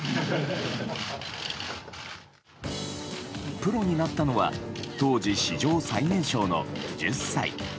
プロになったのは当時史上最年少の１０歳。